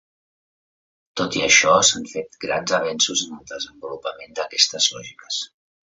Tot i això, s'han fet grans avenços en el desenvolupament d'aquestes lògiques.